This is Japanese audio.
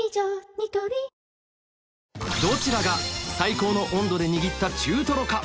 ニトリどちらが最高の温度でにぎった中トロか？